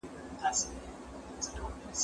زه اجازه لرم چي کتاب وليکم!؟!؟